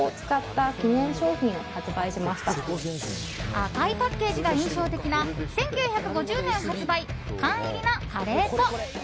赤いパッケージが印象的な１９５０年発売缶入りのカレー粉。